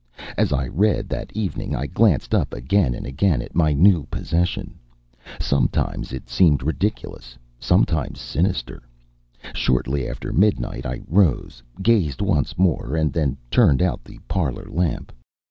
As I read, that evening, I glanced up again and again at my new possession. Sometimes it seemed ridiculous, sometimes sinister. Shortly after midnight I rose, gazed once more, and then turned out the parlor lamp.